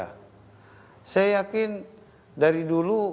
saya yakin dari dulu sulawesi selatan ini masa depan indonesia